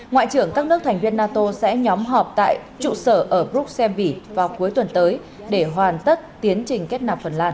ngoại trưởng các nước thành viên nato sẽ nhóm họp tại trụ sở ở bruxelles bỉ vào cuối tuần tới để hoàn tất tiến trình kết nạp phần lan